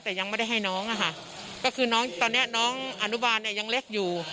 แต่ยังไม่ได้ให้น้องตอนนี้น้องอนุบาลยังเล็กอยู่